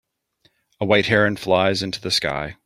A white heron flies into the sky.